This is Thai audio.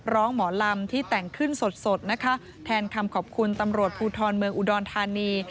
หมอลำที่แต่งขึ้นสดนะคะแทนคำขอบคุณตำรวจภูทรเมืองอุดรธานี